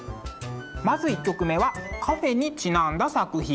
まず１曲目はカフェにちなんだ作品。